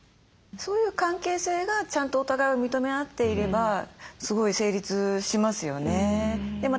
そういう関係性がちゃんとお互いを認め合っていればすごい成立しますよね。